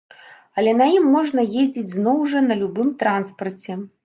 Але на ім можна ездзіць зноў жа на любым транспарце.